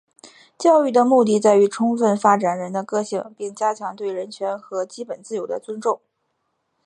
教育的目的在于充分发展人的个性并加强对人权和基本自由的尊重。